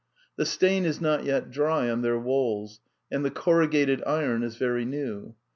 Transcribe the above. The stain is not yet dry on their walls, and the corrugated iron is very new.